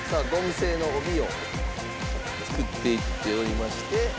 製の帯を作っていっておりまして。